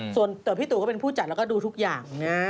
ส่วนพี่ตู่ก็เป็นผู้จัดแล้วก็ดูทุกอย่างนะ